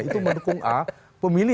itu mendukung a pemilih